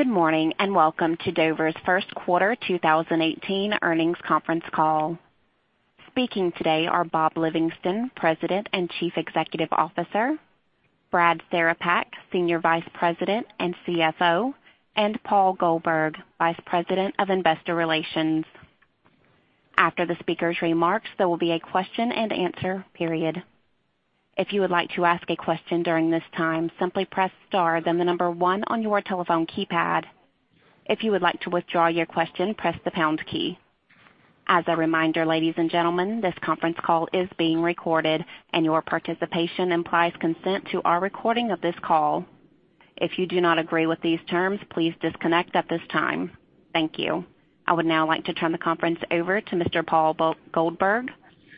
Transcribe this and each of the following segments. Good morning, and welcome to Dover's first quarter 2018 earnings conference call. Speaking today are Bob Livingston, President and Chief Executive Officer, Brad Cerepak, Senior Vice President and CFO, and Paul Goldberg, Vice President of Investor Relations. After the speakers' remarks, there will be a question and answer period. If you would like to ask a question during this time, simply press star, then the number 1 on your telephone keypad. If you would like to withdraw your question, press the pound key. As a reminder, ladies and gentlemen, this conference call is being recorded, and your participation implies consent to our recording of this call. If you do not agree with these terms, please disconnect at this time. Thank you. I would now like to turn the conference over to Mr. Paul Goldberg.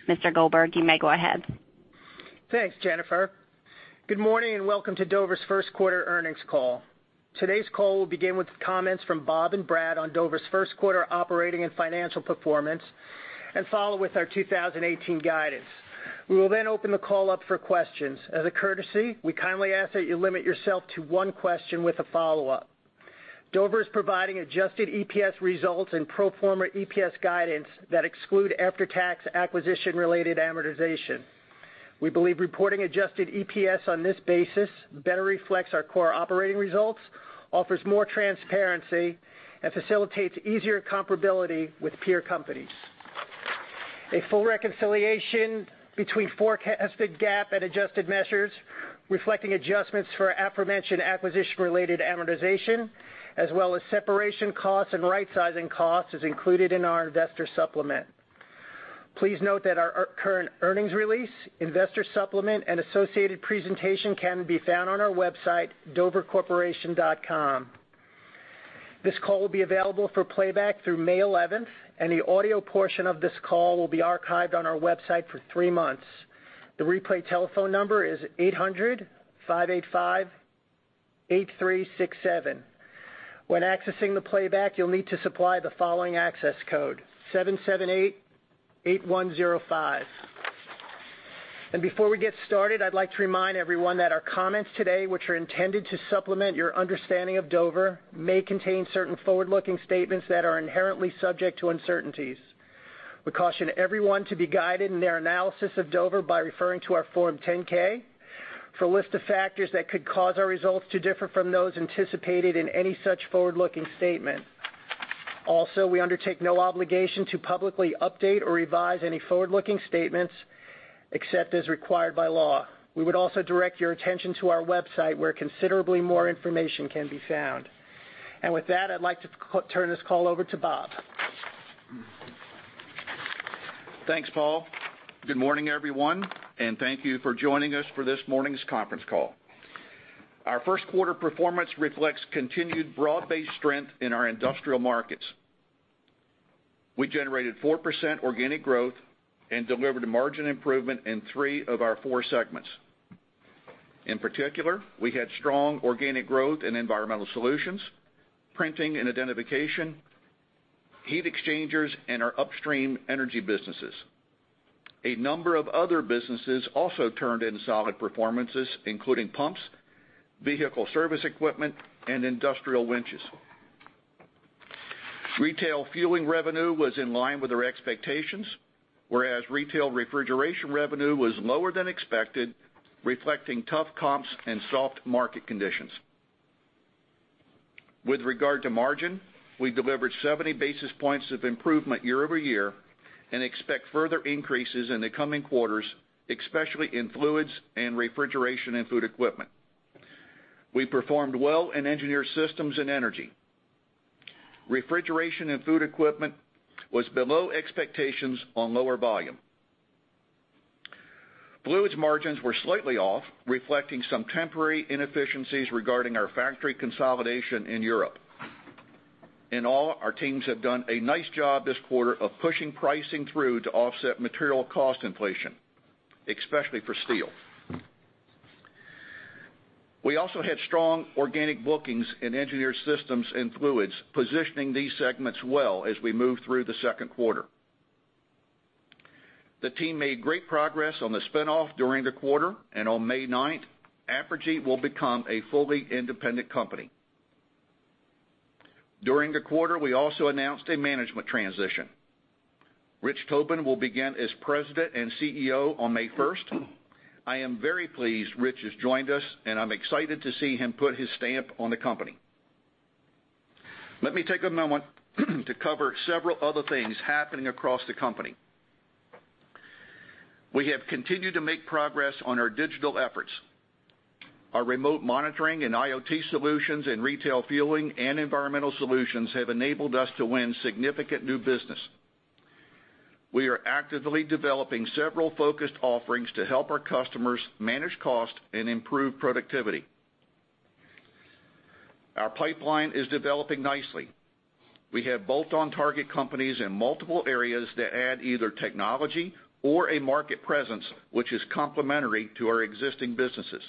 Mr. Goldberg, you may go ahead. Thanks, Jennifer. Good morning and welcome to Dover's first quarter earnings call. Today's call will begin with comments from Bob and Brad on Dover's first quarter operating and financial performance, follow with our 2018 guidance. We will then open the call up for questions. As a courtesy, we kindly ask that you limit yourself to one question with a follow-up. Dover is providing adjusted EPS results and pro forma EPS guidance that exclude after-tax acquisition-related amortization. We believe reporting adjusted EPS on this basis better reflects our core operating results, offers more transparency, and facilitates easier comparability with peer companies. A full reconciliation between forecasted GAAP and adjusted measures reflecting adjustments for aforementioned acquisition-related amortization, as well as separation costs and rightsizing costs, is included in our investor supplement. Please note that our current earnings release, investor supplement, and associated presentation can be found on our website, dovercorporation.com. This call will be available for playback through May 11th, and the audio portion of this call will be archived on our website for three months. The replay telephone number is 800-585-8367. When accessing the playback, you'll need to supply the following access code, 778-8105. Before we get started, I'd like to remind everyone that our comments today, which are intended to supplement your understanding of Dover, may contain certain forward-looking statements that are inherently subject to uncertainties. We caution everyone to be guided in their analysis of Dover by referring to our Form 10-K for a list of factors that could cause our results to differ from those anticipated in any such forward-looking statement. We undertake no obligation to publicly update or revise any forward-looking statements, except as required by law. We would also direct your attention to our website, where considerably more information can be found. With that, I'd like to turn this call over to Bob. Thanks, Paul. Good morning, everyone, thank you for joining us for this morning's conference call. Our first quarter performance reflects continued broad-based strength in our industrial markets. We generated 4% organic growth and delivered a margin improvement in three of our four segments. In particular, we had strong organic growth in environmental solutions, Printing & Identification, heat exchangers, and our upstream Energy businesses. A number of other businesses also turned in solid performances, including pumps, vehicle service equipment, and industrial winches. Retail fueling revenue was in line with our expectations, whereas retail refrigeration revenue was lower than expected, reflecting tough comps and soft market conditions. With regard to margin, we delivered 70 basis points of improvement year-over-year and expect further increases in the coming quarters, especially in Fluids and Refrigeration & Food Equipment. We performed well in Engineered Systems and Energy. Refrigeration & Food Equipment was below expectations on lower volume. Fluids margins were slightly off, reflecting some temporary inefficiencies regarding our factory consolidation in Europe. In all, our teams have done a nice job this quarter of pushing pricing through to offset material cost inflation, especially for steel. We also had strong organic bookings in Engineered Systems and Fluids, positioning these segments well as we move through the second quarter. The team made great progress on the spin-off during the quarter, on May 9th, Apergy will become a fully independent company. During the quarter, we also announced a management transition. Rich Tobin will begin as President and CEO on May 1st. I am very pleased Rich has joined us, and I'm excited to see him put his stamp on the company. Let me take a moment to cover several other things happening across the company. We have continued to make progress on our digital efforts. Our remote monitoring and IoT solutions in retail fueling and environmental solutions have enabled us to win significant new business. We are actively developing several focused offerings to help our customers manage cost and improve productivity. Our pipeline is developing nicely. We have bolt-on target companies in multiple areas that add either technology or a market presence, which is complementary to our existing businesses.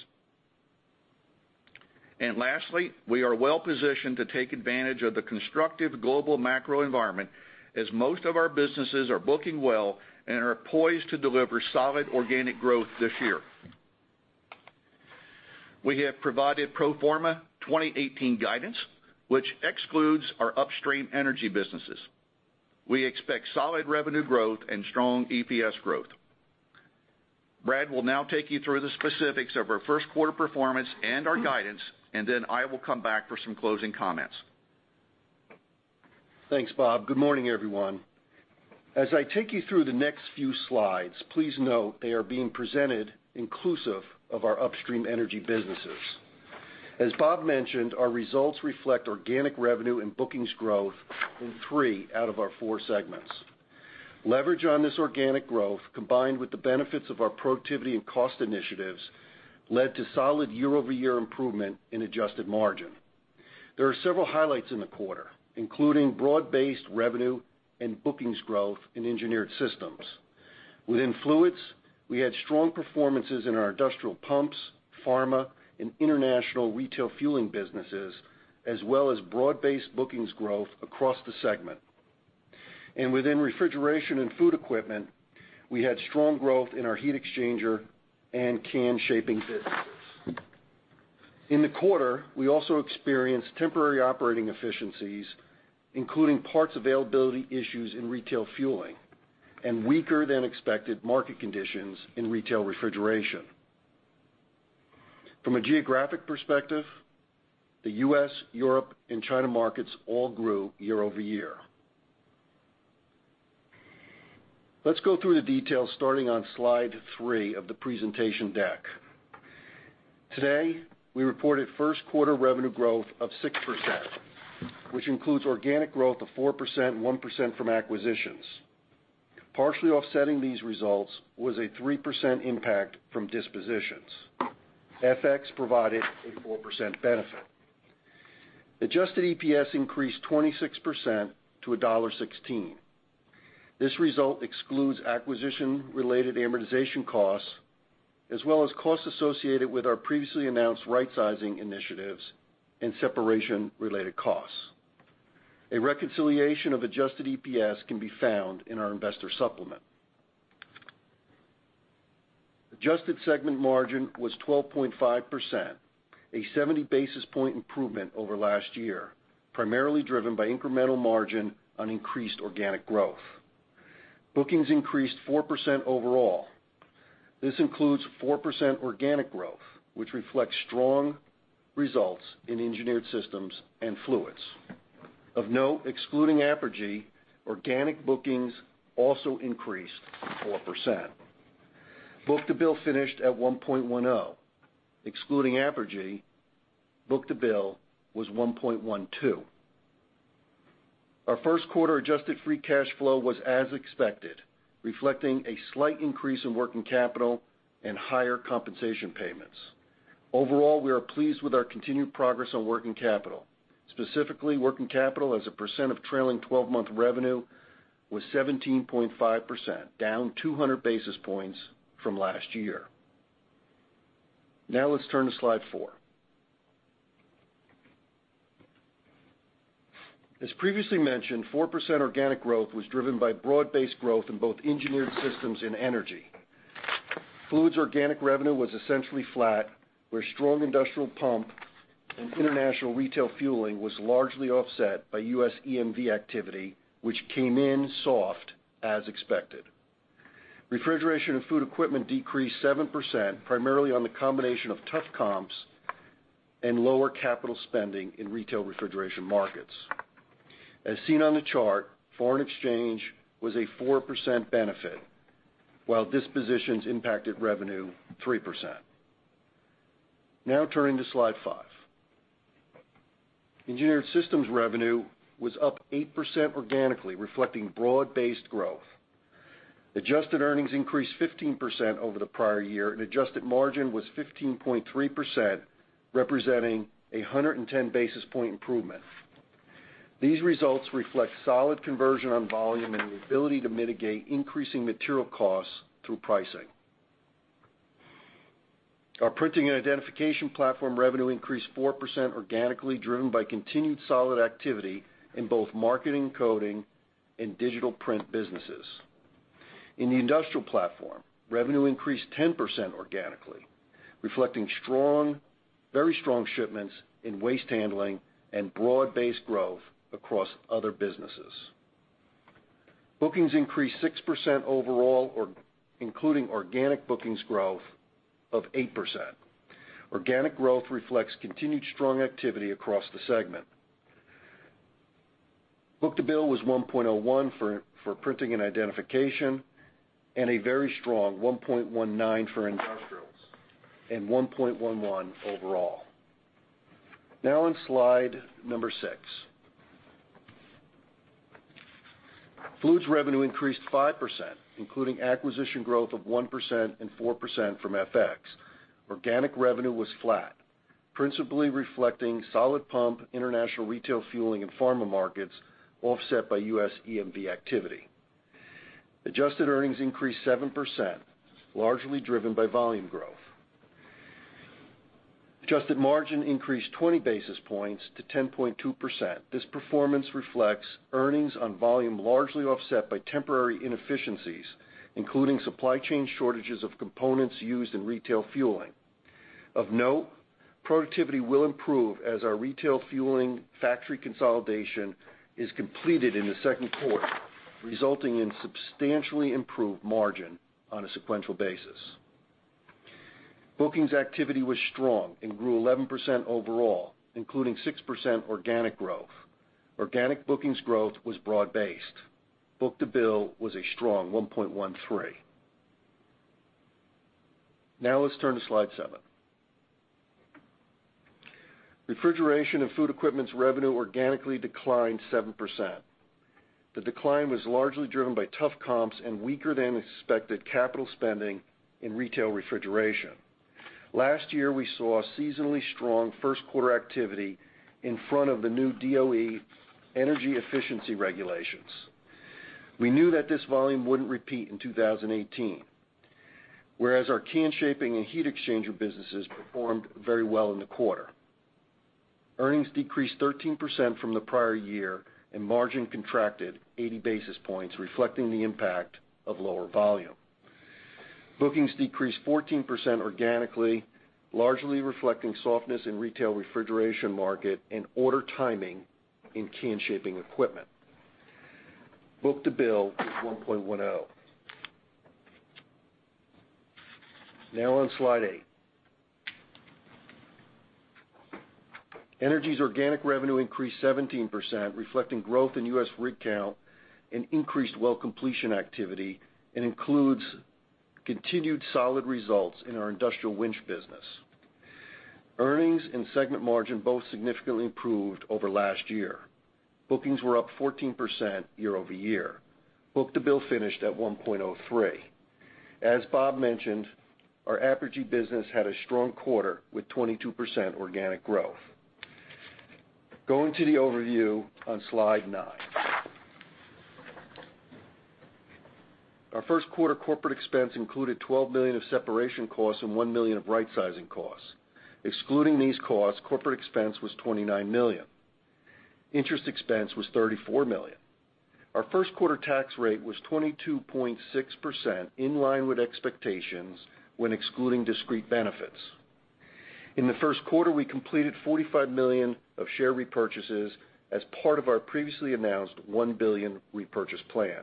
Lastly, we are well-positioned to take advantage of the constructive global macro environment, as most of our businesses are booking well and are poised to deliver solid organic growth this year. We have provided pro forma 2018 guidance, which excludes our upstream Energy businesses. We expect solid revenue growth and strong EPS growth. Brad will now take you through the specifics of our first quarter performance and our guidance, then I will come back for some closing comments. Thanks, Bob. Good morning, everyone. As I take you through the next few slides, please note they are being presented inclusive of our upstream energy businesses. As Bob mentioned, our results reflect organic revenue and bookings growth in three out of our four segments. Leverage on this organic growth, combined with the benefits of our productivity and cost initiatives, led to solid year-over-year improvement in adjusted margin. There are several highlights in the quarter, including broad-based revenue and bookings growth in Engineered Systems. Within Fluids, we had strong performances in our industrial pumps, pharma, and international retail fueling businesses, as well as broad-based bookings growth across the segment. Within Refrigeration & Food Equipment, we had strong growth in our heat exchanger and can shaping businesses. In the quarter, we also experienced temporary operating efficiencies, including parts availability issues in retail fueling and weaker-than-expected market conditions in retail refrigeration. From a geographic perspective, the U.S., Europe, and China markets all grew year-over-year. Let's go through the details starting on slide three of the presentation deck. Today, we reported first quarter revenue growth of 6%, which includes organic growth of 4% and 1% from acquisitions. Partially offsetting these results was a 3% impact from dispositions. FX provided a 4% benefit. Adjusted EPS increased 26% to $1.16. This result excludes acquisition-related amortization costs, as well as costs associated with our previously announced rightsizing initiatives and separation-related costs. A reconciliation of adjusted EPS can be found in our investor supplement. Adjusted segment margin was 12.5%, a 70-basis-point improvement over last year, primarily driven by incremental margin on increased organic growth. Bookings increased 4% overall. This includes 4% organic growth, which reflects strong results in Engineered Systems and Fluids. Of note, excluding Apergy, organic bookings also increased 4%. Book-to-bill finished at 1.10. Excluding Apergy, book-to-bill was 1.12. Our first quarter adjusted free cash flow was as expected, reflecting a slight increase in working capital and higher compensation payments. Overall, we are pleased with our continued progress on working capital. Specifically, working capital as a percent of trailing 12-month revenue was 17.5%, down 200 basis points from last year. Let's turn to slide four. As previously mentioned, 4% organic growth was driven by broad-based growth in both Engineered Systems and Energy. Fluids organic revenue was essentially flat, where strong industrial pump and international retail fueling was largely offset by U.S. EMV activity, which came in soft, as expected. Refrigeration & Food Equipment decreased 7%, primarily on the combination of tough comps and lower capital spending in retail refrigeration markets. As seen on the chart, foreign exchange was a 4% benefit, while dispositions impacted revenue 3%. Turning to slide five. Engineered Systems revenue was up 8% organically, reflecting broad-based growth. Adjusted earnings increased 15% over the prior year, and adjusted margin was 15.3%, representing a 110-basis-point improvement. These results reflect solid conversion on volume and the ability to mitigate increasing material costs through pricing. Our Printing & Identification platform revenue increased 4% organically, driven by continued solid activity in both marking and coding and digital print businesses. In the Industrial platform, revenue increased 10% organically, reflecting very strong shipments in waste handling and broad-based growth across other businesses. Bookings increased 6% overall, including organic bookings growth of 8%. Organic growth reflects continued strong activity across the segment. Book-to-bill was 1.01 for Printing & Identification, a very strong 1.19 for Industrials, and 1.11 overall. On slide number six. Fluids revenue increased 5%, including acquisition growth of 1% and 4% from FX. Organic revenue was flat, principally reflecting solid pump, international retail fueling, and pharma markets offset by U.S. EMV activity. Adjusted earnings increased 7%, largely driven by volume growth. Adjusted margin increased 20 basis points to 10.2%. This performance reflects earnings on volume largely offset by temporary inefficiencies, including supply chain shortages of components used in retail fueling. Of note, productivity will improve as our retail fueling factory consolidation is completed in the second quarter, resulting in substantially improved margin on a sequential basis. Bookings activity was strong and grew 11% overall, including 6% organic growth. Organic bookings growth was broad-based. Book-to-bill was a strong 1.13. Now let's turn to slide seven. Refrigeration & Food Equipment's revenue organically declined 7%. The decline was largely driven by tough comps and weaker-than-expected capital spending in retail refrigeration. Last year, we saw a seasonally strong first quarter activity in front of the new DOE energy efficiency regulations. We knew that this volume wouldn't repeat in 2018, whereas our can shaping and heat exchanger businesses performed very well in the quarter. Earnings decreased 13% from the prior year, and margin contracted 80 basis points, reflecting the impact of lower volume. Bookings decreased 14% organically, largely reflecting softness in retail refrigeration market and order timing in can shaping equipment. Book-to-bill was 1.10. Now on Slide eight. Energy's organic revenue increased 17%, reflecting growth in U.S. rig count and increased well completion activity, and includes continued solid results in our industrial winch business. Earnings and segment margin both significantly improved over last year. Bookings were up 14% year-over-year. Book-to-bill finished at 1.03. As Bob mentioned, our Apergy business had a strong quarter with 22% organic growth. Going to the overview on Slide nine. Our first quarter corporate expense included $12 million of separation costs and $1 million of rightsizing costs. Excluding these costs, corporate expense was $29 million. Interest expense was $34 million. Our first quarter tax rate was 22.6%, in line with expectations when excluding discrete benefits. In the first quarter, we completed $45 million of share repurchases as part of our previously announced $1 billion repurchase plan.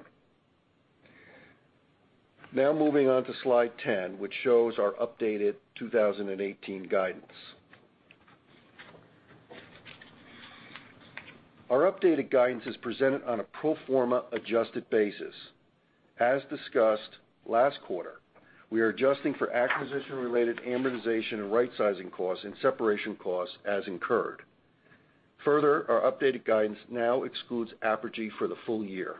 Now moving on to Slide 10, which shows our updated 2018 guidance. Our updated guidance is presented on a pro forma adjusted basis. As discussed last quarter, we are adjusting for acquisition-related amortization and rightsizing costs and separation costs as incurred. Further, our updated guidance now excludes Apergy for the full year.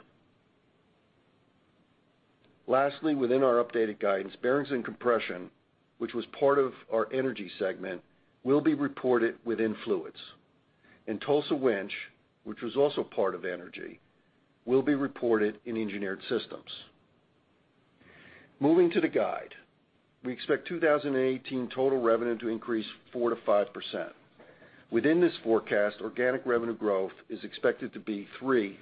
Lastly, within our updated guidance, Dover Precision Components, which was part of our Energy segment, will be reported within Fluids. Tulsa Winch, which was also part of Energy, will be reported in Engineered Systems. Moving to the guide. We expect 2018 total revenue to increase 4%-5%. Within this forecast, organic revenue growth is expected to be 3%-4%.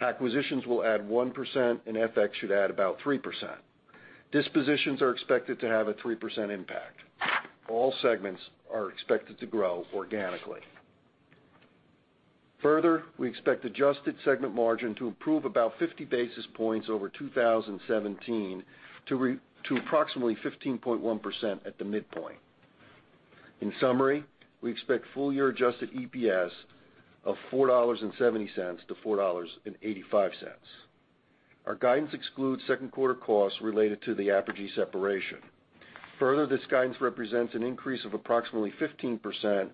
Acquisitions will add 1%, and FX should add about 3%. Dispositions are expected to have a 3% impact. All segments are expected to grow organically. Further, we expect adjusted segment margin to improve about 50 basis points over 2017 to approximately 15.1% at the midpoint. In summary, we expect full-year adjusted EPS of $4.70-$4.85. Our guidance excludes second quarter costs related to the Apergy separation. Further, this guidance represents an increase of approximately 15%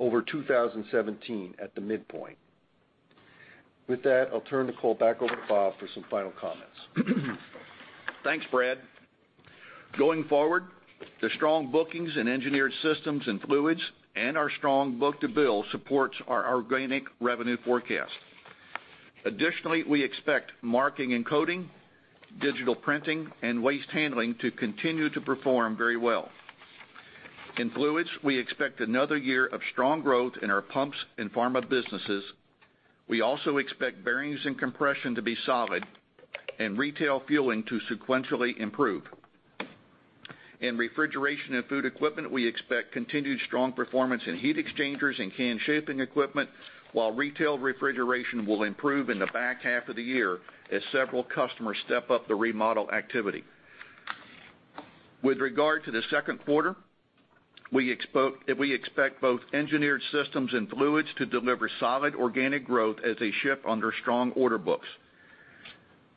over 2017 at the midpoint. With that, I'll turn the call back over to Bob for some final comments. Thanks, Brad. Going forward, the strong bookings in Engineered Systems and Fluids and our strong book-to-bill supports our organic revenue forecast. Additionally, we expect marking and coding, digital printing, and waste handling to continue to perform very well. In Fluids, we expect another year of strong growth in our pumps and pharma businesses. We also expect Dover Precision Components to be solid and Retail Fueling to sequentially improve. In Refrigeration & Food Equipment, we expect continued strong performance in heat exchangers and can shaping equipment, while retail refrigeration will improve in the back half of the year as several customers step up the remodel activity. With regard to the second quarter, we expect both Engineered Systems and Fluids to deliver solid organic growth as they ship under strong order books.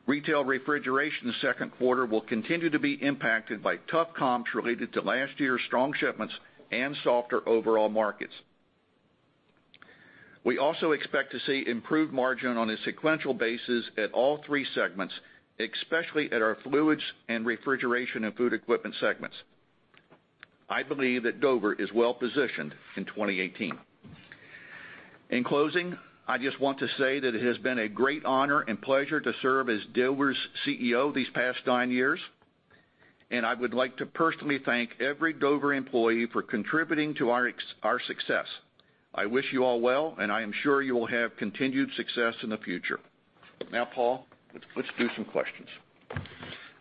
Retail refrigeration second quarter will continue to be impacted by tough comps related to last year's strong shipments and softer overall markets. We also expect to see improved margin on a sequential basis at all three segments, especially at our Fluids and Refrigeration & Food Equipment segments. I believe that Dover is well positioned in 2018. In closing, I just want to say that it has been a great honor and pleasure to serve as Dover's CEO these past nine years, and I would like to personally thank every Dover employee for contributing to our success. I wish you all well, and I am sure you will have continued success in the future. Paul, let's do some questions.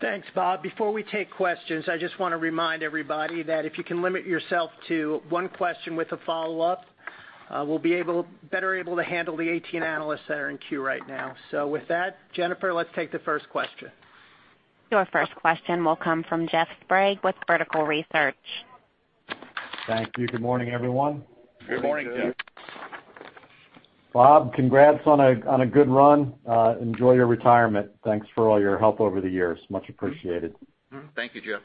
Thanks, Bob. Before we take questions, I just want to remind everybody that if you can limit yourself to one question with a follow-up, we'll be better able to handle the 18 analysts that are in queue right now. With that, Jennifer, let's take the first question. Your first question will come from Jeff Sprague with Vertical Research. Thank you. Good morning, everyone. Good morning, Jeff. Bob, congrats on a good run. Enjoy your retirement. Thanks for all your help over the years. Much appreciated. Thank you, Jeff.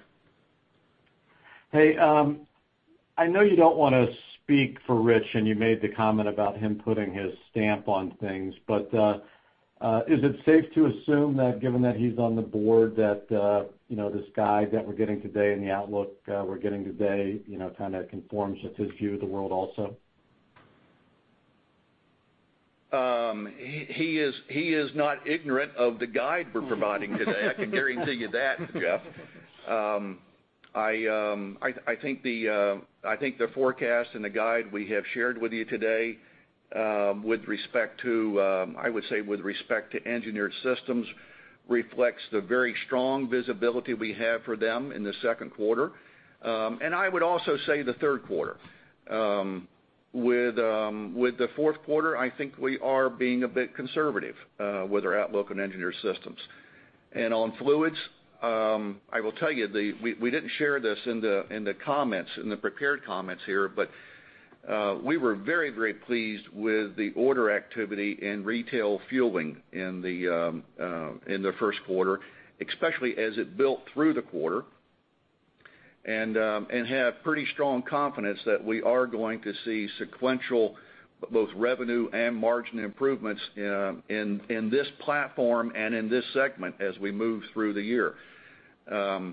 Hey, I know you don't want to speak for Rich, and you made the comment about him putting his stamp on things, but is it safe to assume that given that he's on the board, that this guide that we're getting today and the outlook we're getting today kind of conforms with his view of the world also? He is not ignorant of the guide we're providing today. I can guarantee you that, Jeff. I think the forecast and the guide we have shared with you today with respect to, I would say, with respect to Engineered Systems, reflects the very strong visibility we have for them in the second quarter. I would also say the third quarter. With the fourth quarter, I think we are being a bit conservative with our outlook on Engineered Systems. On Fluids, I will tell you, we didn't share this in the prepared comments here, but we were very pleased with the order activity in retail fueling in the first quarter, especially as it built through the quarter, and have pretty strong confidence that we are going to see sequential both revenue and margin improvements in this platform and in this segment as we move through the year. I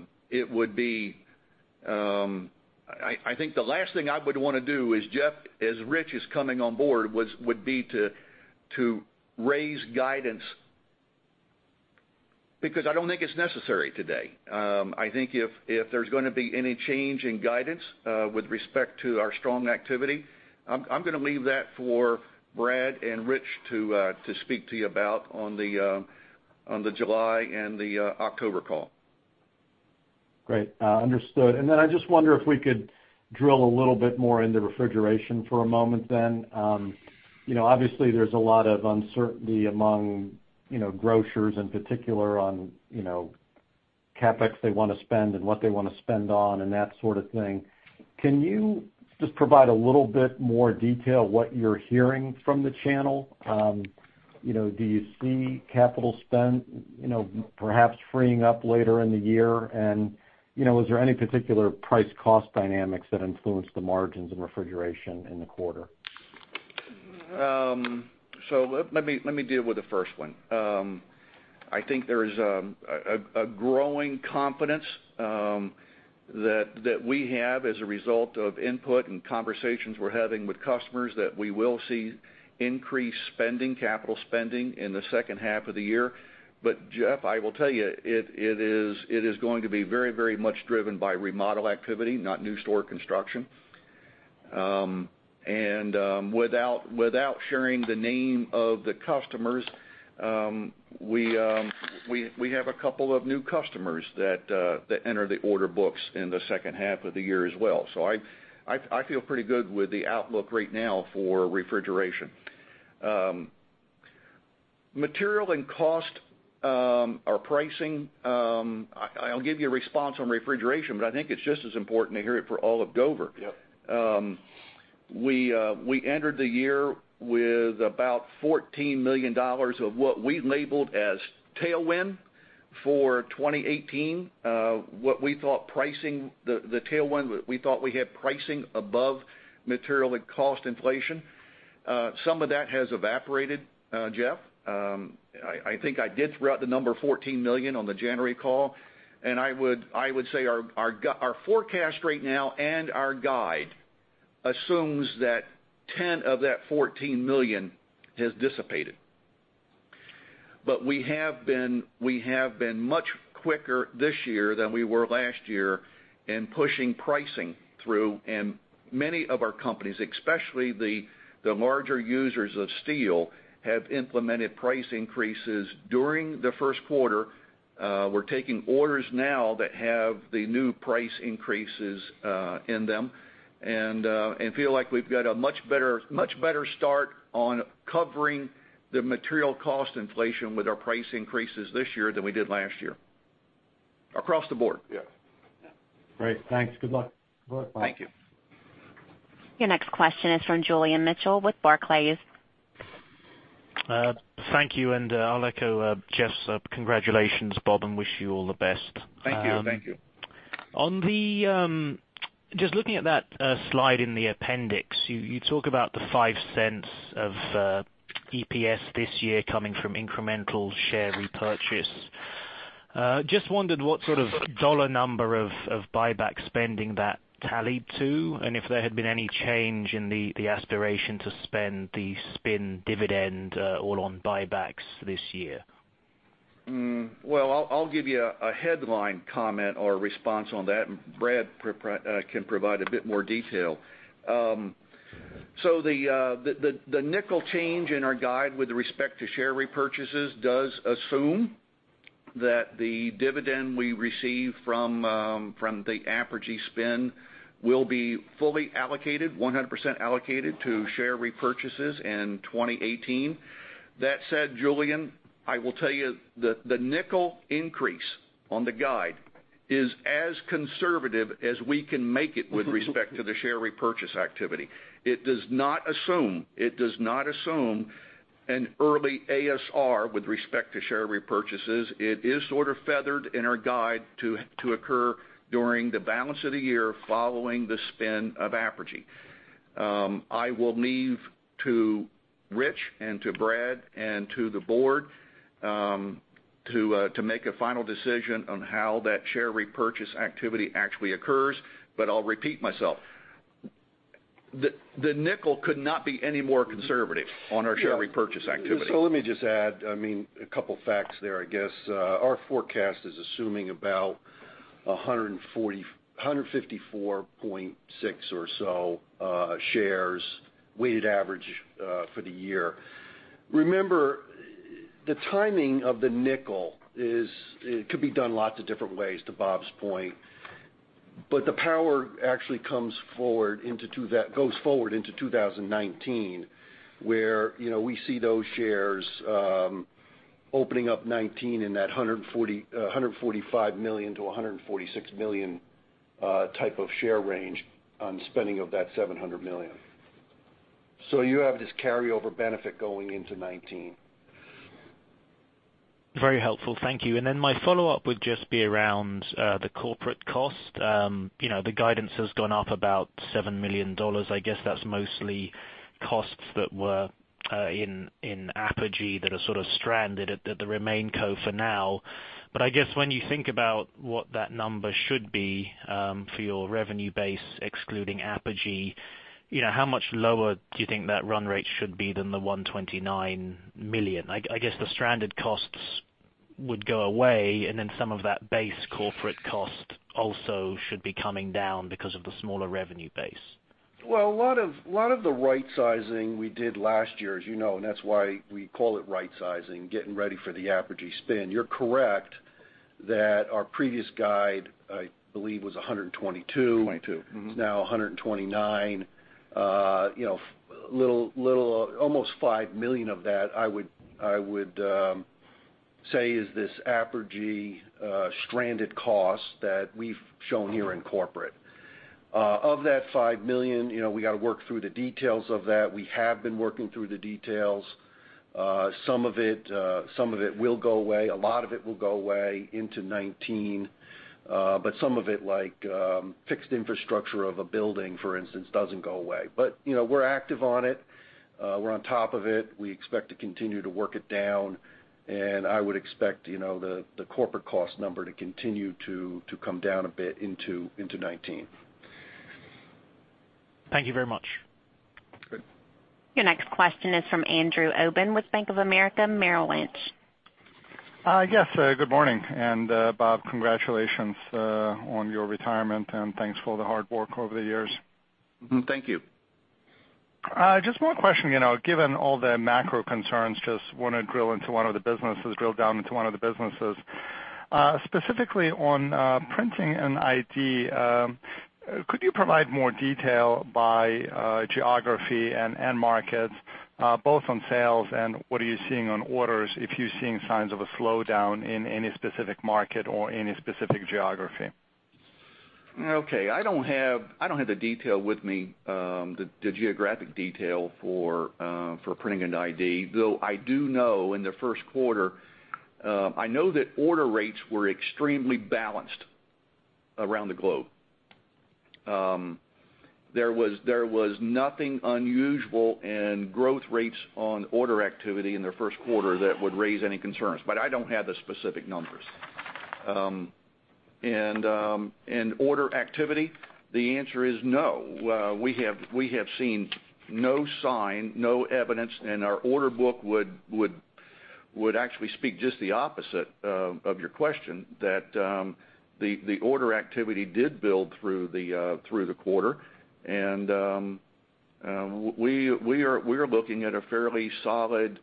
think the last thing I would want to do is, Jeff, as Rich is coming on board, would be to raise guidance, because I don't think it's necessary today. I think if there's going to be any change in guidance with respect to our strong activity, I'm going to leave that for Brad and Rich to speak to you about on the July and the October call. Great. Understood. I just wonder if we could drill a little bit more into refrigeration for a moment then. Obviously, there's a lot of uncertainty among grocers in particular on CapEx they want to spend and what they want to spend on and that sort of thing. Can you just provide a little bit more detail what you're hearing from the channel? Do you see capital spend perhaps freeing up later in the year? Is there any particular price cost dynamics that influence the margins in refrigeration in the quarter? Let me deal with the first one. I think there is a growing confidence that we have as a result of input and conversations we're having with customers that we will see increased capital spending in the second half of the year. Jeff, I will tell you, it is going to be very much driven by remodel activity, not new store construction. Without sharing the name of the customers, we have a couple of new customers that enter the order books in the second half of the year as well. I feel pretty good with the outlook right now for refrigeration. Material and cost, our pricing, I'll give you a response on refrigeration, but I think it's just as important to hear it for all of Dover. Yep. We entered the year with about $14 million of what we labeled as tailwind for 2018. What we thought pricing the tailwind, we thought we had pricing above material and cost inflation. Some of that has evaporated, Jeff. I think I did throw out the number $14 million on the January call, and I would say our forecast right now and our guide assumes that 10 of that $14 million has dissipated. We have been much quicker this year than we were last year in pushing pricing through, and many of our companies, especially the larger users of steel, have implemented price increases during the first quarter. We're taking orders now that have the new price increases in them and feel like we've got a much better start on covering the material cost inflation with our price increases this year than we did last year. Across the board. Yes. Great. Thanks. Good luck. Thank you. Your next question is from Julian Mitchell with Barclays. Thank you, and I'll echo Jeff's congratulations, Bob, and wish you all the best. Thank you. Just looking at that slide in the appendix, you talk about the $0.05 of EPS this year coming from incremental share repurchase. Just wondered what sort of dollar number of buyback spending that tallied to, and if there had been any change in the aspiration to spend the spin dividend all on buybacks this year. I'll give you a headline comment or response on that, and Brad Cerepak can provide a bit more detail. The $0.05 change in our guide with respect to share repurchases does assume that the dividend we receive from the Apergy spin will be fully allocated, 100% allocated to share repurchases in 2018. That said, Julian Mitchell, I will tell you the $0.05 increase on the guide is as conservative as we can make it with respect to the share repurchase activity. It does not assume an early ASR with respect to share repurchases. It is sort of feathered in our guide to occur during the balance of the year following the spin of Apergy. I will leave to Rich Tobin and to Brad Cerepak and to the board to make a final decision on how that share repurchase activity actually occurs, but I'll repeat myself. The $0.05 could not be any more conservative on our share repurchase activity. Let me just add a couple of facts there, I guess. Our forecast is assuming about 154.6 or so shares, weighted average for the year. Remember, the timing of the $0.05 could be done lots of different ways, to Robert A. Livingston's point. The power actually goes forward into 2019, where we see those shares opening up 2019 in that 145 million-146 million type of share range on spending of that $700 million. Very helpful. Thank you. My follow-up would just be around the corporate cost. The guidance has gone up about $7 million. I guess that's mostly costs that were in Apergy that are sort of stranded at the remain co for now. I guess when you think about what that number should be for your revenue base excluding Apergy, how much lower do you think that run rate should be than the $129 million? I guess the stranded costs would go away, and then some of that base corporate cost also should be coming down because of the smaller revenue base. Well, a lot of the right sizing we did last year, as you know, and that's why we call it right sizing, getting ready for the Apergy spin. You're correct that our previous guide, I believe, was 122. 22. It's now 129. Almost $5 million of that, I would say is this Apergy stranded cost that we've shown here in corporate. Of that $5 million, we got to work through the details of that. We have been working through the details. Some of it will go away. A lot of it will go away into 2019. Some of it, like fixed infrastructure of a building, for instance, doesn't go away. We're active on it. We're on top of it. We expect to continue to work it down. I would expect the corporate cost number to continue to come down a bit into 2019. Thank you very much. Good. Your next question is from Andrew Obin with Bank of America Merrill Lynch. Yes. Good morning. Bob, congratulations on your retirement, and thanks for all the hard work over the years. Thank you. Just one question. Given all the macro concerns, just want to drill down into one of the businesses. Specifically on Imaging & Identification, could you provide more detail by geography and end markets, both on sales and what are you seeing on orders, if you're seeing signs of a slowdown in any specific market or any specific geography? Okay, I don't have the detail with me, the geographic detail for Imaging & Identification, though I do know in the first quarter, I know that order rates were extremely balanced around the globe. There was nothing unusual in growth rates on order activity in the first quarter that would raise any concerns. I don't have the specific numbers. Order activity, the answer is no. We have seen no sign, no evidence, and our order book would actually speak just the opposite of your question, that the order activity did build through the quarter. We are looking at a fairly solid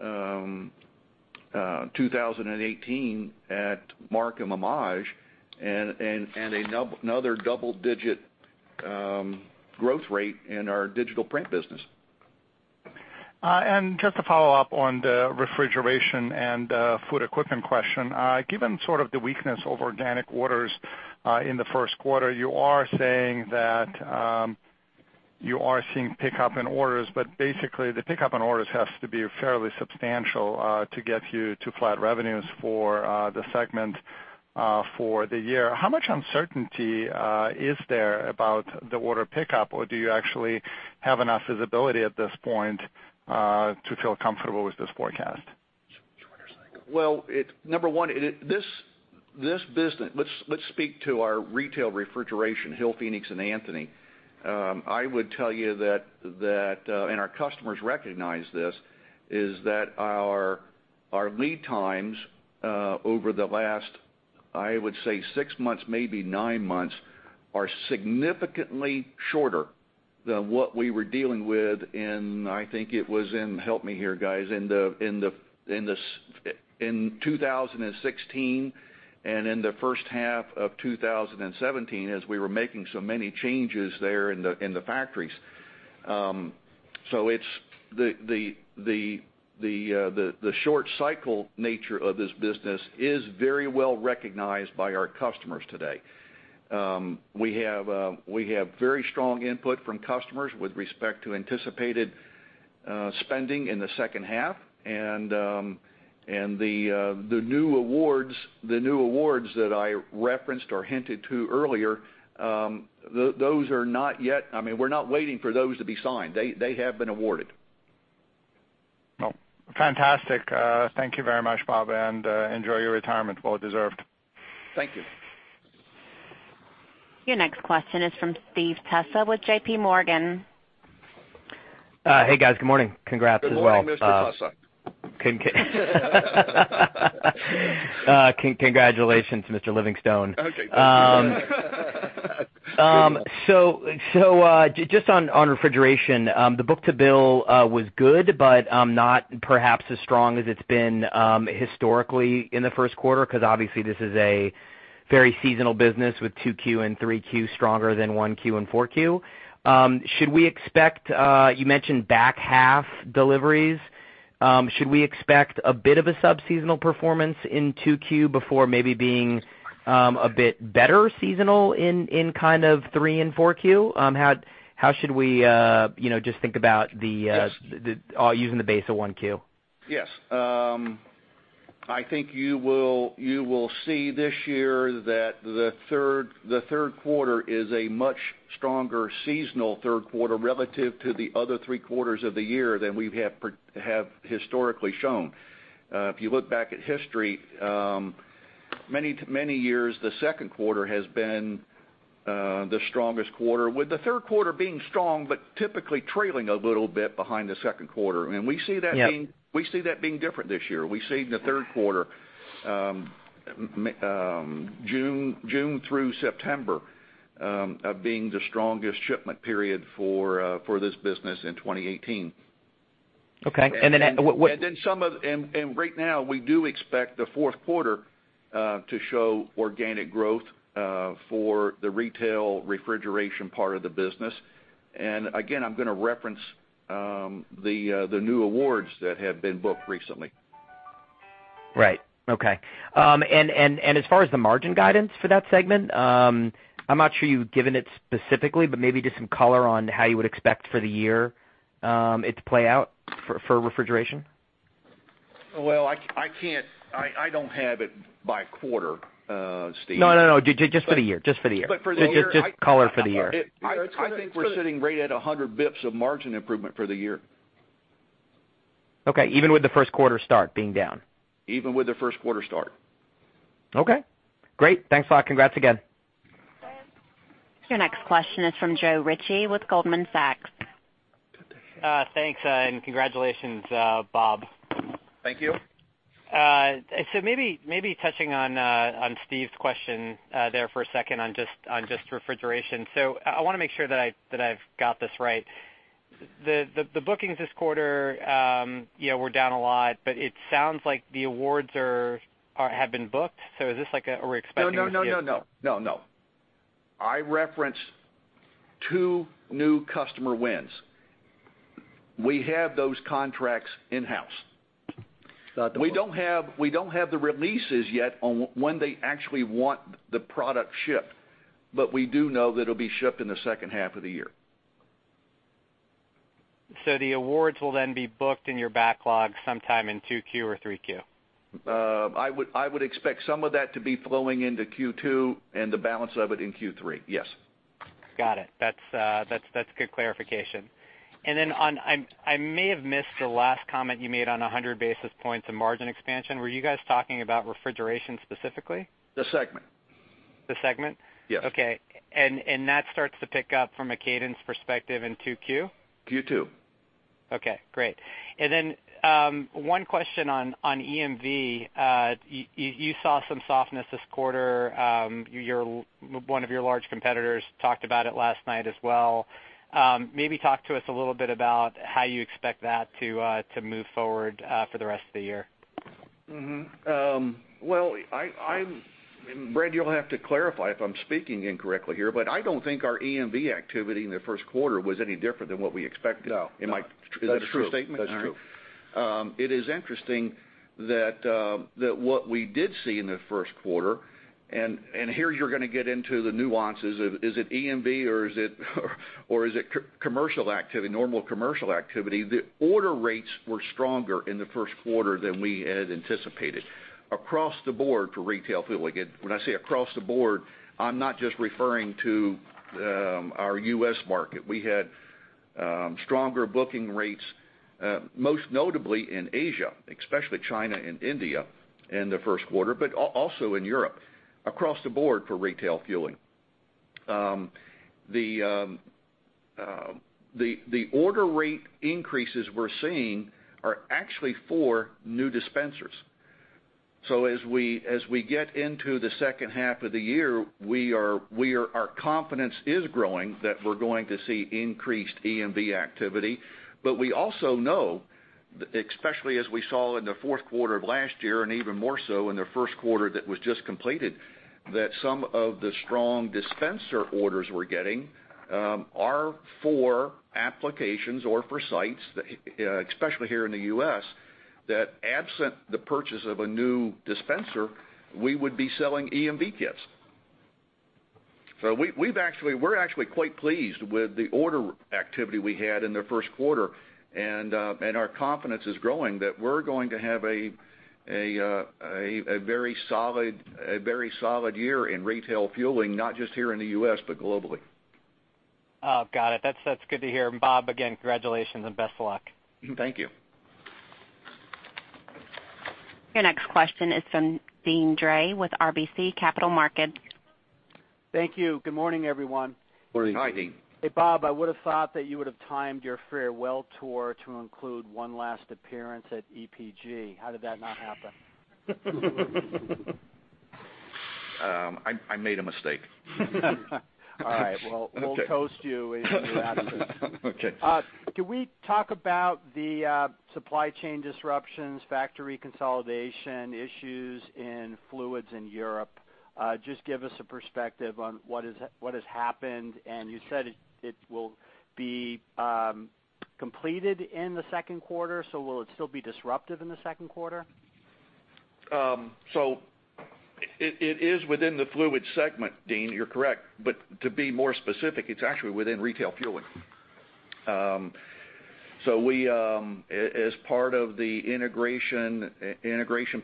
2018 at Markem-Imaje and another double-digit growth rate in our digital print business. Just to follow up on the Refrigeration & Food Equipment question. Given sort of the weakness of organic orders in the first quarter, you are saying that you are seeing pickup in orders, but basically the pickup in orders has to be fairly substantial to get you to flat revenues for the segment. For the year, how much uncertainty is there about the order pickup, or do you actually have enough visibility at this point to feel comfortable with this forecast? Well, number one, let's speak to our retail refrigeration, Hillphoenix and Anthony. I would tell you that, and our customers recognize this, is that our lead times over the last, I would say six months, maybe nine months, are significantly shorter than what we were dealing with in, I think it was in, help me here, guys, in 2016 and in the first half of 2017 as we were making so many changes there in the factories. The short cycle nature of this business is very well recognized by our customers today. We have very strong input from customers with respect to anticipated spending in the second half and the new awards that I referenced or hinted to earlier, we're not waiting for those to be signed. They have been awarded. Well, fantastic. Thank you very much, Bob, and enjoy your retirement. Well deserved. Thank you. Your next question is from Steve Tusa with JPMorgan. Hey, guys. Good morning. Congrats as well. Good morning, Mr. Tusa. Congratulations, Mr. Livingston. Okay. Just on refrigeration, the book to bill was good, but not perhaps as strong as it's been historically in the first quarter because obviously this is a very seasonal business with 2Q and 3Q stronger than 1Q and 4Q. You mentioned back half deliveries. Should we expect a bit of a sub-seasonal performance in 2Q before maybe being a bit better seasonal in kind of 3 and 4Q? How should we just think about using the base of 1Q? Yes. I think you will see this year that the third quarter is a much stronger seasonal third quarter relative to the other three quarters of the year than we have historically shown. If you look back at history, many years, the second quarter has been the strongest quarter, with the third quarter being strong, but typically trailing a little bit behind the second quarter. We see that. Yeah being different this year. We see the third quarter, June through September, being the strongest shipment period for this business in 2018. Okay. Right now, we do expect the fourth quarter to show organic growth for the retail refrigeration part of the business. Again, I'm going to reference the new awards that have been booked recently. Right. Okay. As far as the margin guidance for that segment, I'm not sure you've given it specifically, but maybe just some color on how you would expect for the year it to play out for refrigeration. Well, I don't have it by quarter, Steve. No. Just for the year. For the year. Just color for the year. I think we're sitting right at 100 basis points of margin improvement for the year. Okay. Even with the first quarter start being down? Even with the first quarter start. Okay, great. Thanks a lot. Congrats again. Your next question is from Joe Ritchie with Goldman Sachs. Thanks, and congratulations, Bob. Thank you. Maybe touching on Steve's question there for a second on just refrigeration. I want to make sure that I've got this right. The bookings this quarter were down a lot, but it sounds like the awards have been booked. Are we expecting to see? No. I referenced two new customer wins. We have those contracts in-house. Got it. We don't have the releases yet on when they actually want the product shipped, we do know that it'll be shipped in the second half of the year. The awards will be booked in your backlog sometime in 2Q or 3Q? I would expect some of that to be flowing into Q2 and the balance of it in Q3, yes. Got it. That's good clarification. Then I may have missed the last comment you made on 100 basis points of margin expansion. Were you guys talking about refrigeration specifically? The segment. The segment? Yes. Okay. That starts to pick up from a cadence perspective in 2Q? Q2. Okay, great. One question on EMV. You saw some softness this quarter. One of your large competitors talked about it last night as well. Maybe talk to us a little bit about how you expect that to move forward for the rest of the year. Well, Brad, you'll have to clarify if I'm speaking incorrectly here, but I don't think our EMV activity in the first quarter was any different than what we expected. No. Is that a true statement? That's true. It is interesting that what we did see in the first quarter, here you're going to get into the nuances of, is it EMV or is it normal commercial activity? The order rates were stronger in the first quarter than we had anticipated across the board for retail fueling. When I say across the board, I'm not just referring to our U.S. market. We had stronger booking rates, most notably in Asia, especially China and India in the first quarter, but also in Europe, across the board for retail fueling. The order rate increases we're seeing are actually for new dispensers. As we get into the second half of the year, our confidence is growing that we're going to see increased EMV activity. We also know, especially as we saw in the fourth quarter of last year and even more so in the first quarter that was just completed, that some of the strong dispenser orders we're getting are for applications or for sites, especially here in the U.S., that absent the purchase of a new dispenser, we would be selling EMV kits. We're actually quite pleased with the order activity we had in the first quarter, and our confidence is growing that we're going to have a very solid year in retail fueling, not just here in the U.S., but globally. Got it. That's good to hear. Bob, again, congratulations and best of luck. Thank you. Your next question is from Deane Dray with RBC Capital Markets. Thank you. Good morning, everyone. Morning. Hey, Bob, I would've thought that you would've timed your farewell tour to include one last appearance at EPG. How did that not happen? I made a mistake. All right. Well, we'll toast you when you're out of here. Okay. Can we talk about the supply chain disruptions, factory consolidation issues in Fluids in Europe? Just give us a perspective on what has happened. You said it will be completed in the second quarter, will it still be disruptive in the second quarter? It is within the Fluids segment, Deane, you're correct. To be more specific, it's actually within retail fueling. As part of the integration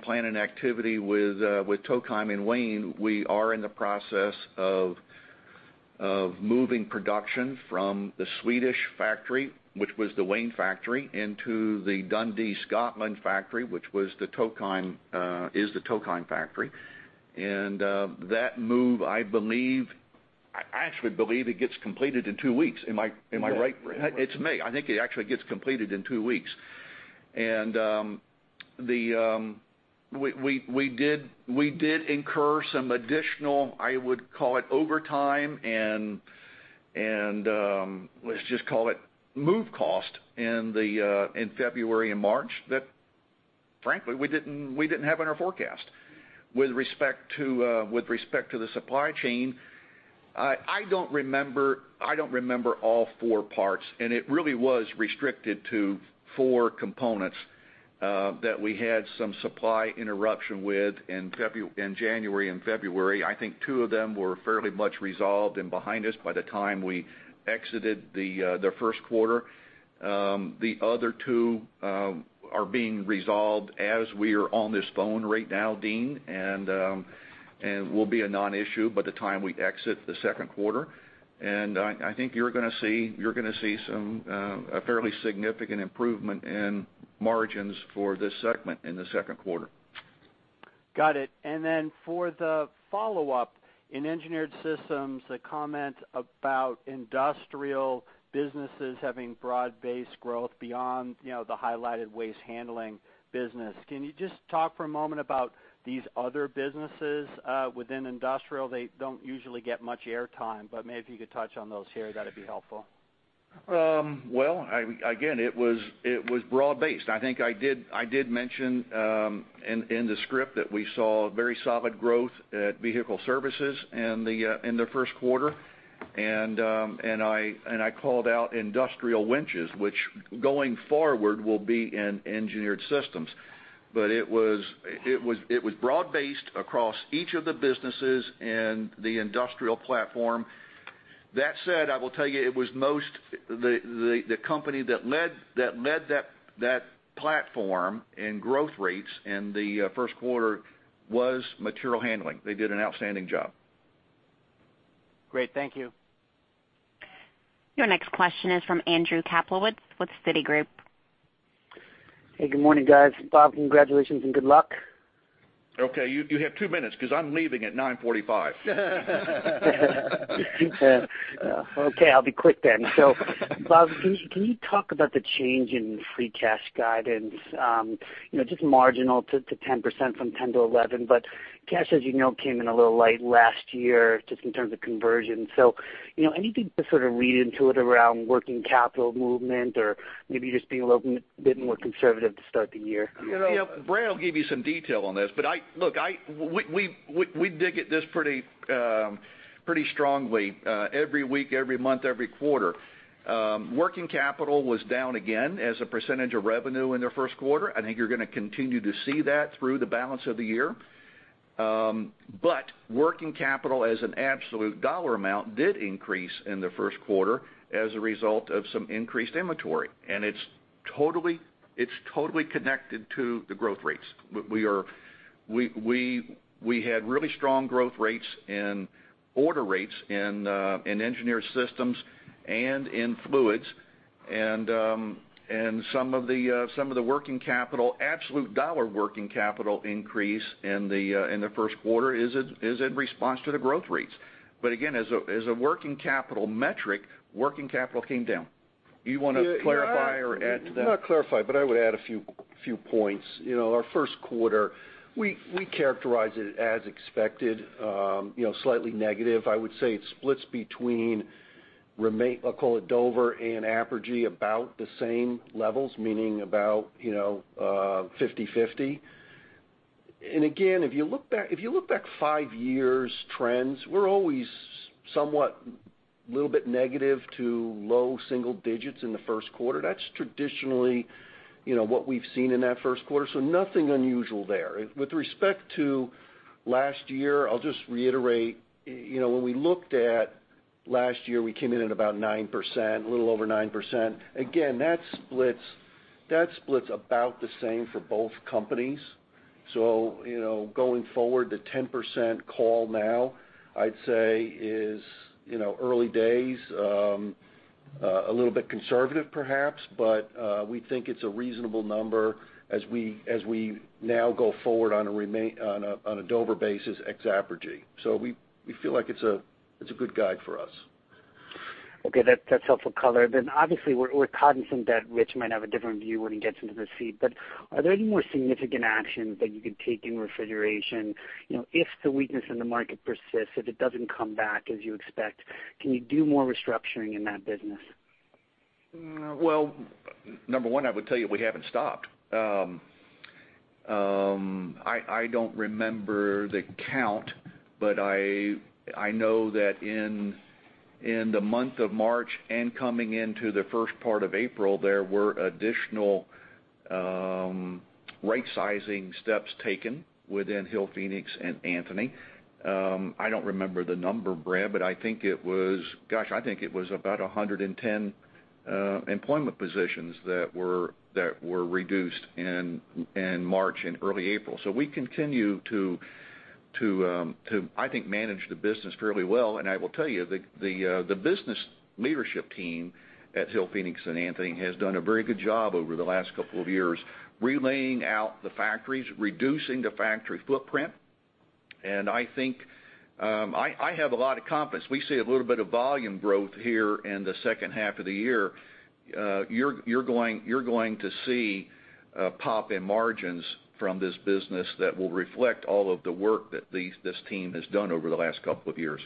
plan and activity with Tokheim and Wayne, we are in the process of moving production from the Swedish factory, which was the Wayne factory, into the Dundee, Scotland factory, which is the Tokheim factory. That move, I actually believe it gets completed in two weeks. Am I right? It's May. I think it actually gets completed in two weeks. We did incur some additional, I would call it overtime, and let's just call it move cost in February and March, that frankly, we didn't have in our forecast. With respect to the supply chain, I don't remember all four parts, and it really was restricted to four components that we had some supply interruption with in January and February. I think two of them were fairly much resolved and behind us by the time we exited the first quarter. The other two are being resolved as we are on this phone right now, Deane, and will be a non-issue by the time we exit the second quarter. I think you're going to see a fairly significant improvement in margins for this segment in the second quarter. Got it. Then for the follow-up, in Engineered Systems, a comment about industrial businesses having broad-based growth beyond the highlighted waste handling business. Can you just talk for a moment about these other businesses within industrial? They don't usually get much air time, but maybe if you could touch on those here, that'd be helpful. Well, again, it was broad based. I think I did mention in the script that we saw very solid growth at vehicle services in the first quarter, and I called out industrial winches, which going forward will be in Engineered Systems. It was broad based across each of the businesses in the industrial platform. That said, I will tell you the company that led that platform in growth rates in the first quarter was material handling. They did an outstanding job. Great. Thank you. Your next question is from Andrew Kaplowitz with Citigroup. Good morning, guys. Bob, congratulations and good luck. You have two minutes because I'm leaving at 9:45 A.M. I'll be quick then. Bob, can you talk about the change in free cash guidance? Just marginal to 10% from 10 to 11, but cash, as you know, came in a little light last year, just in terms of conversion. Anything to sort of read into it around working capital movement or maybe just being a little bit more conservative to start the year? Brad will give you some detail on this, but look, we dig at this pretty strongly every week, every month, every quarter. Working capital was down again as a percentage of revenue in the first quarter. I think you're going to continue to see that through the balance of the year. Working capital as an absolute dollar amount did increase in the first quarter as a result of some increased inventory. It's totally connected to the growth rates. We had really strong growth rates and order rates in Engineered Systems and in Fluids, and some of the absolute dollar working capital increase in the first quarter is in response to the growth rates. Again, as a working capital metric, working capital came down. You want to clarify or add to that? Not clarify, but I would add a few points. Our first quarter, we characterize it as expected, slightly negative. I would say it splits between, I'll call it Dover and Apergy, about the same levels, meaning about 50/50. If you look back 5 years trends, we're always somewhat a little bit negative to low single digits in the first quarter. That's traditionally what we've seen in that first quarter, nothing unusual there. With respect to last year, I'll just reiterate, when we looked at last year, we came in at about 9%, a little over 9%. Again, that splits about the same for both companies. Going forward, the 10% call now, I'd say is early days. A little bit conservative perhaps, but we think it's a reasonable number as we now go forward on a Dover basis ex Apergy. We feel like it's a good guide for us. Okay, that's helpful color. Obviously we're cognizant that Rich might have a different view when he gets into the seat, but are there any more significant actions that you could take in refrigeration? If the weakness in the market persists, if it doesn't come back as you expect, can you do more restructuring in that business? Number 1, I would tell you we haven't stopped. I don't remember the count, but I know that in the month of March and coming into the first part of April, there were additional right-sizing steps taken within Hillphoenix and Anthony. I don't remember the number, Brad, but gosh, I think it was about 110 employment positions that were reduced in March and early April. We continue to, I think, manage the business fairly well. I will tell you, the business leadership team at Hillphoenix and Anthony has done a very good job over the last couple of years, relaying out the factories, reducing the factory footprint, and I think I have a lot of confidence. We see a little bit of volume growth here in the second half of the year. You're going to see a pop in margins from this business that will reflect all of the work that this team has done over the last couple of years.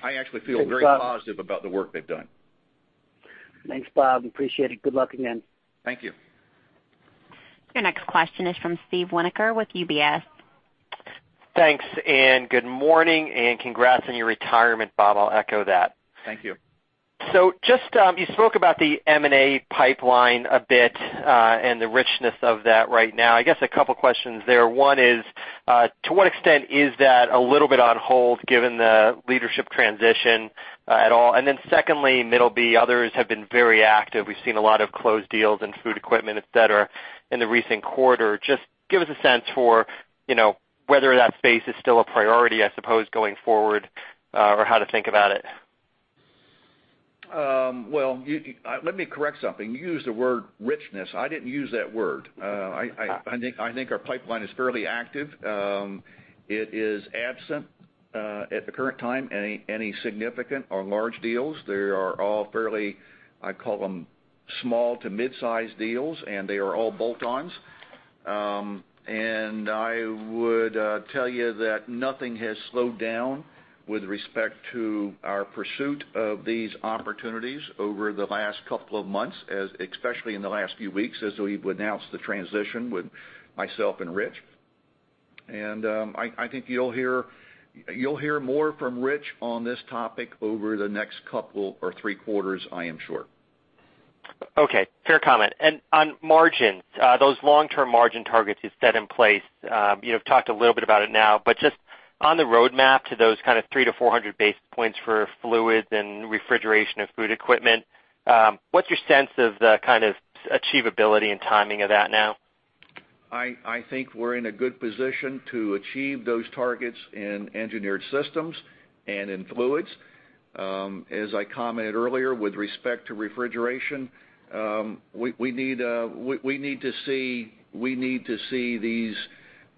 I actually feel very positive about the work they've done. Thanks, Bob. Appreciate it. Good luck again. Thank you. Your next question is from Steve Winoker with UBS. Thanks, and good morning, and congrats on your retirement, Bob. I'll echo that. Thank you. You spoke about the M&A pipeline a bit, and the richness of that right now. I guess a couple questions there. One is, to what extent is that a little bit on hold given the leadership transition at all? Secondly, Middleby, others have been very active. We've seen a lot of closed deals in food equipment, et cetera, in the recent quarter. Just give us a sense for whether that space is still a priority, I suppose, going forward, or how to think about it. Well, let me correct something. You used the word richness. I didn't use that word. I think our pipeline is fairly active. It is absent at the current time, any significant or large deals. They are all fairly, I call them small to mid-size deals, and they are all bolt-ons. I would tell you that nothing has slowed down with respect to our pursuit of these opportunities over the last couple of months, especially in the last few weeks as we've announced the transition with myself and Rich. I think you'll hear more from Rich on this topic over the next couple or three quarters, I am sure. Okay. Fair comment. On margins, those long-term margin targets you've set in place. You have talked a little bit about it now, but just on the roadmap to those kind of 300 to 400 basis points for Fluids and refrigeration of food equipment, what's your sense of the kind of achievability and timing of that now? I think we're in a good position to achieve those targets in Engineered Systems and in Fluids. As I commented earlier, with respect to Refrigeration, we need to see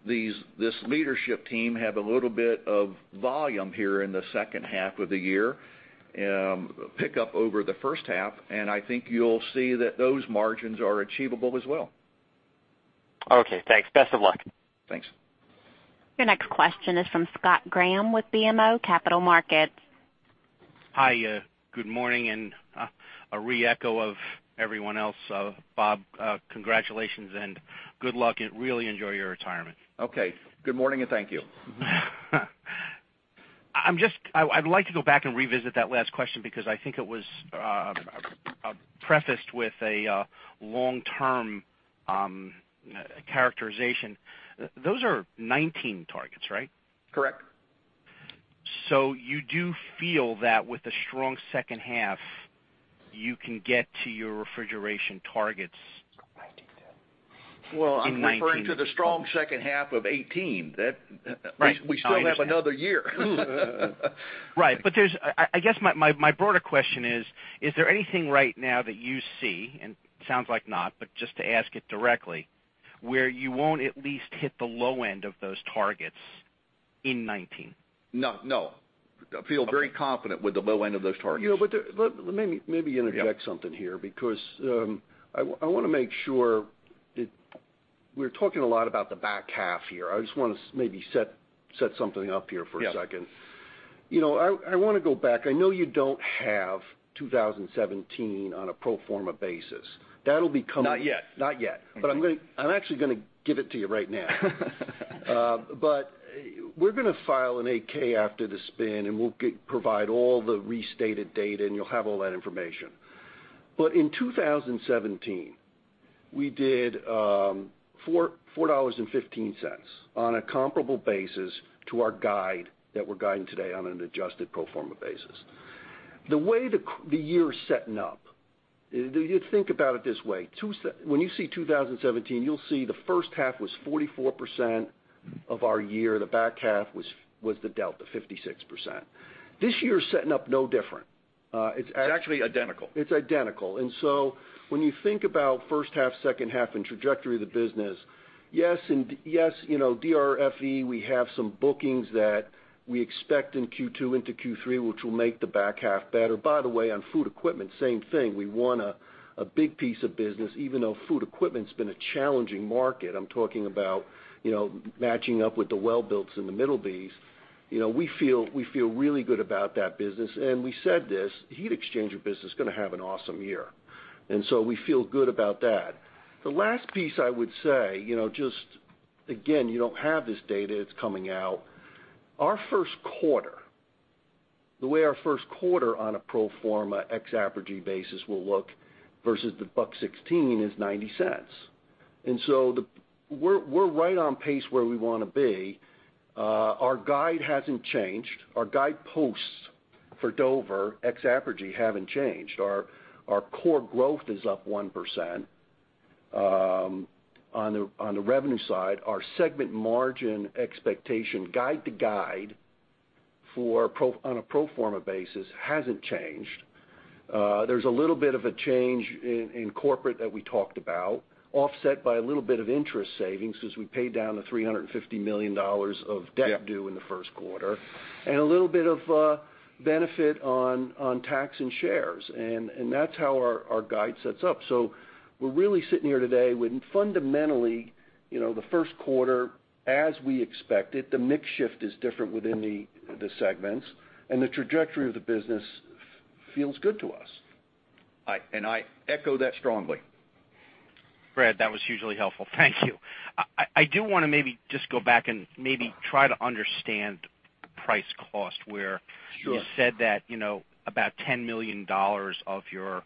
this leadership team have a little bit of volume here in the second half of the year, pick up over the first half, and I think you'll see that those margins are achievable as well. Okay. Thanks. Best of luck. Thanks. Your next question is from Scott Graham with BMO Capital Markets. Hi. Good morning, and a re-echo of everyone else. Bob, congratulations and good luck, and really enjoy your retirement. Okay. Good morning, and thank you. I'd like to go back and revisit that last question because I think it was prefaced with a long-term characterization. Those are 2019 targets, right? Correct. You do feel that with a strong second half, you can get to your refrigeration targets. '19 in 2019. Well, I'm referring to the strong second half of 2018. Right. I understand. We still have another year. Right. I guess my broader question is there anything right now that you see, and sounds like not, but just to ask it directly, where you won't at least hit the low end of those targets in 2019? No. Okay. I feel very confident with the low end of those targets. Let me maybe interject something here because I want to make sure that we're talking a lot about the back half here. I just want to maybe set something up here for a second. Yeah. I want to go back. I know you don't have 2017 on a pro forma basis. That'll be coming. Not yet. Not yet. I'm actually going to give it to you right now. We're going to file an 8-K after the spin, and we'll provide all the restated data, and you'll have all that information. In 2017, we did $4.15 on a comparable basis to our guide that we're guiding today on an adjusted pro forma basis. The way the year is setting up, if you think about it this way, when you see 2017, you'll see the first half was 44% of our year. The back half was the delta, 56%. This year is setting up no different. It's actually identical. It's identical. When you think about first half, second half, and trajectory of the business, yes, DRFE, we have some bookings that we expect in Q2 into Q3, which will make the back half better. By the way, on food equipment, same thing. We won a big piece of business, even though food equipment's been a challenging market. I'm talking about matching up with the Welbilt and the Middleby. We feel really good about that business. We said this heat exchanger business is going to have an awesome year. We feel good about that. The last piece I would say, just again, you don't have this data, it's coming out. Our first quarter, the way our first quarter on a pro forma ex Apergy basis will look versus the $1.16 is $0.90. We're right on pace where we want to be. Our guide hasn't changed. Our guide posts for Dover ex Apergy haven't changed. Our core growth is up 1% on the revenue side. Our segment margin expectation guide to guide on a pro forma basis hasn't changed. There's a little bit of a change in corporate that we talked about, offset by a little bit of interest savings as we pay down the $350 million of debt due in the first quarter, a little bit of benefit on tax and shares, and that's how our guide sets up. We're really sitting here today with fundamentally the first quarter as we expected. The mix shift is different within the segments, and the trajectory of the business feels good to us. I echo that strongly. Brad, that was hugely helpful. Thank you. I do want to maybe just go back and maybe try to understand price cost. Sure You said that about $10 million of your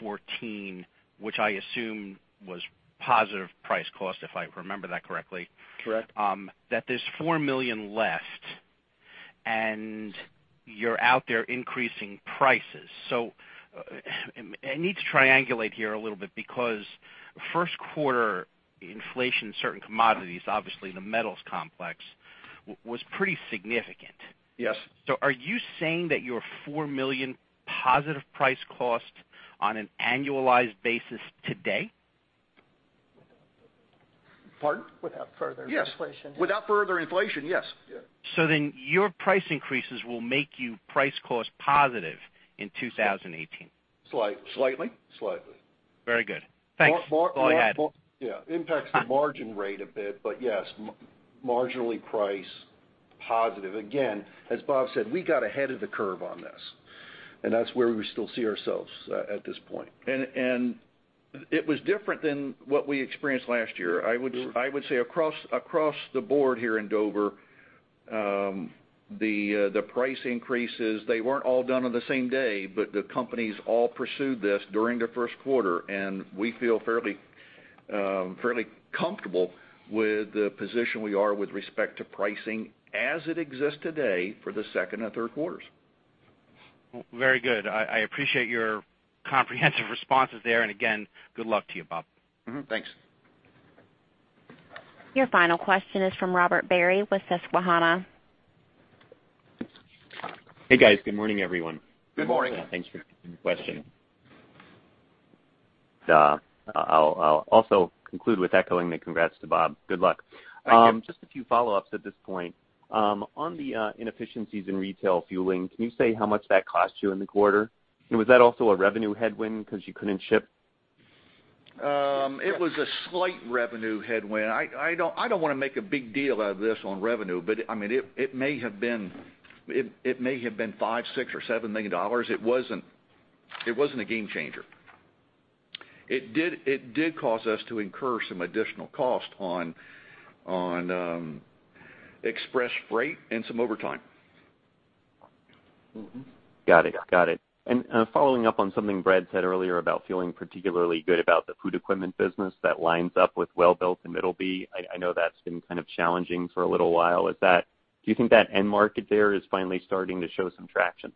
14, which I assume was positive price cost, if I remember that correctly. Correct. That there's $4 million left, and you're out there increasing prices. I need to triangulate here a little bit because first quarter inflation, certain commodities, obviously the metals complex, was pretty significant. Yes. Are you saying that your $4 million positive price cost on an annualized basis today? Pardon? Without further inflation. Yes. Without further inflation, yes. Yeah. Your price increases will make you price cost positive in 2018? Slightly. Slightly. Slightly. Very good. Thanks. Go ahead. Yes, marginally price positive. As Bob said, we got ahead of the curve on this, that's where we still see ourselves at this point. It was different than what we experienced last year. I would say across the board here in Dover, the price increases, they weren't all done on the same day, the companies all pursued this during the first quarter. We feel fairly comfortable with the position we are with respect to pricing as it exists today for the second and third quarters. Very good. I appreciate your comprehensive responses there. Again, good luck to you, Bob. Mm-hmm. Thanks. Your final question is from Robert Barry with Susquehanna. Hey, guys. Good morning, everyone. Good morning. Good morning. Thanks for taking the question. I'll also conclude with echoing the congrats to Bob. Good luck. Thank you. Just a few follow-ups at this point. On the inefficiencies in retail fueling, can you say how much that cost you in the quarter? Was that also a revenue headwind because you couldn't ship? It was a slight revenue headwind. I don't want to make a big deal out of this on revenue, but it may have been $5, $6, or $7 million. It wasn't a game changer. It did cause us to incur some additional cost on express freight and some overtime. Got it. Following up on something Brad said earlier about feeling particularly good about the food equipment business that lines up with Welbilt and Middleby. I know that's been kind of challenging for a little while. Do you think that end market there is finally starting to show some traction?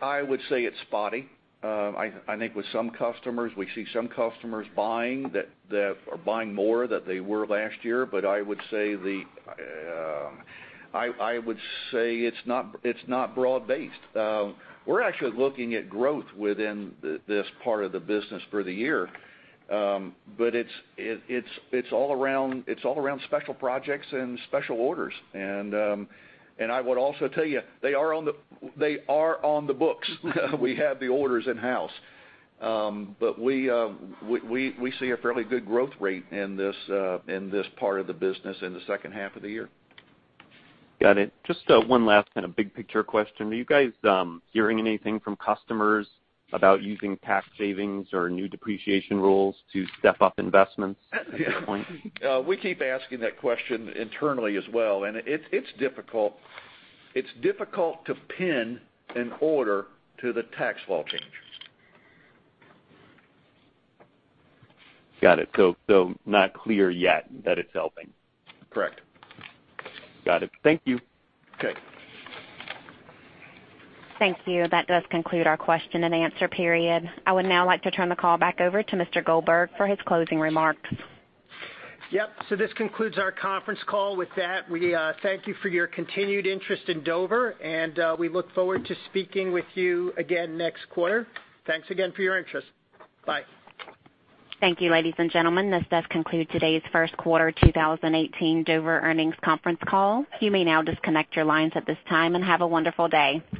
I would say it's spotty. I think with some customers, we see some customers buying that are buying more than they were last year. I would say it's not broad-based. We're actually looking at growth within this part of the business for the year. It's all around special projects and special orders. I would also tell you, they are on the books. We have the orders in-house. We see a fairly good growth rate in this part of the business in the second half of the year. Got it. Just one last kind of big picture question. Are you guys hearing anything from customers about using tax savings or new depreciation rules to step up investments at this point? We keep asking that question internally as well, and it's difficult to pin an order to the tax law change. Got it. Not clear yet that it's helping. Correct. Got it. Thank you. Okay. Thank you. That does conclude our question and answer period. I would now like to turn the call back over to Mr. Goldberg for his closing remarks. Yep. This concludes our conference call. With that, we thank you for your continued interest in Dover, and we look forward to speaking with you again next quarter. Thanks again for your interest. Bye. Thank you, ladies and gentlemen. This does conclude today's first quarter 2018 Dover earnings conference call. You may now disconnect your lines at this time, and have a wonderful day.